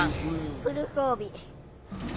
フル装備。